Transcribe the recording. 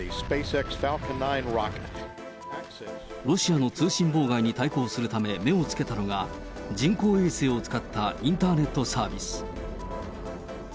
ロシアの通信妨害に対抗するため、目をつけたのが、人工衛星を使ったインターネットサービス。